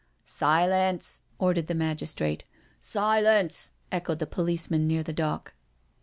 " Silence I" ordered the magistrate. " Silence! " echoed the policeman near the dock.